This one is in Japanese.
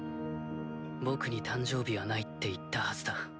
僕に誕生日はないって言ったはずだ。